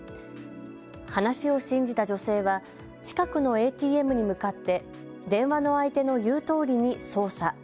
話を信じた女性は近くのＡＴＭに向かって電話の相手の言うとおりに操作。